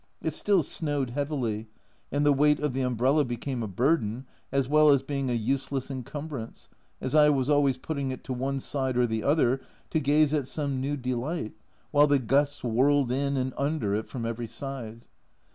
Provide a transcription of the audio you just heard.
It still snowed heavily, and the weight of the umbrella became a burden, as well as being a useless encum brance, as I was always putting it to one side or the other to gaze at some new delight, while the gusts whirled in and under it from every side.